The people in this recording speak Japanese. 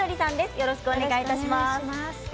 よろしくお願いします。